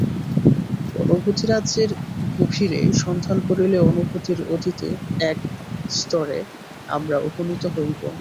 অনুভূতি-রাজ্যের গভীরে সন্ধান করিলে অনুভূতির অতীত এক স্তরে আমরা উপনীত হইব।